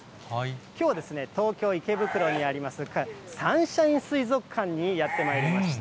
きょう、東京・池袋にあるサンシャイン水族館にやってまいりました。